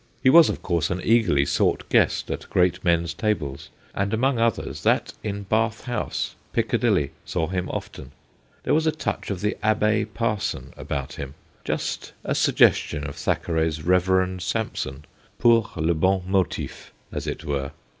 He was, of course, an eagerly sought guest at great men's tables, and among others, that in Bath House, Piccadilly, saw him often. There was a touch of the abbe* parson about him, just a suggestion of Thackeray's Reverend Sampson pour le bon motif, as it were.